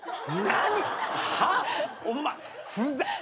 何？